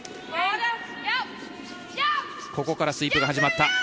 ここからスイープが始まった。